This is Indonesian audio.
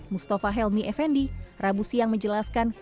mustafa helmi effendi rabu siang menjelaskan